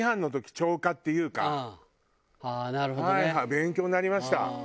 勉強になりました。